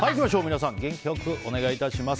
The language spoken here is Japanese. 皆さん元気良くお願いします。